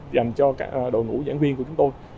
dành cho các đội ngũ giảng viên của chúng tôi